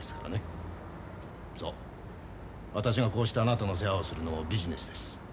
そう私がこうしてあなたの世話をするのもビジネスです。